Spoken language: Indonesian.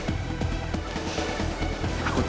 aku tahu siapa aku lagi